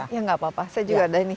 ya nggak apa apa saya juga ada ini